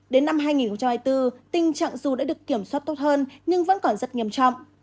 đến năm hai nghìn hai mươi bốn tình trạng dù đã được kiểm soát tốt hơn nhưng vẫn còn rất nghiêm trọng